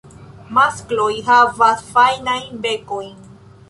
Maskloj havas fajnajn bekojn.